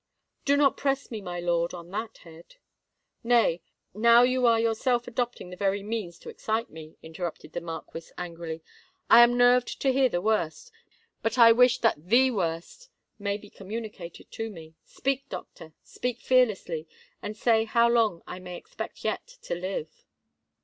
"Do not press me, my lord, on that head——" "Nay: now you are yourself adopting the very means to excite me," interrupted the Marquis, angrily. "I am nerved to hear the worst: but I wish that the worst may be communicated to me. Speak, doctor—speak fearlessly—and say how long I may expect yet to live?"